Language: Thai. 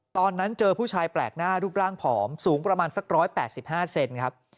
ตอนนั้นเจอผู้ชายแปลกหน้ารูปร่างผอมสูงประมาณสัก๑๘๕เซนครับ